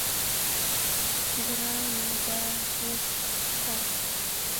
ګرانه !دا اوس ستا